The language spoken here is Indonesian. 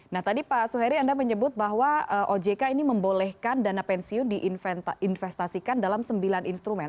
nah tadi pak suheri anda menyebut bahwa ojk ini membolehkan dana pensiun diinvestasikan dalam sembilan instrumen